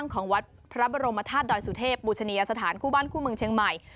ของวัดพระบรมธาตุดอยสุเทพบูชเนียสถานคู่บ้านคู่เมืองเชียงใหม่